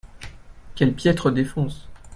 Quelle piètre défense !